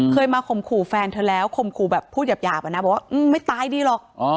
เคยมาข่มขู่แฟนเธอแล้วข่มขู่แบบพูดหยาบอะนะบอกว่าไม่ตายดีหรอก